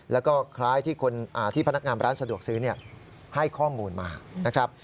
และคล้ายที่พนักงานร้านสะดวกซื้อให้ข้อมูลมา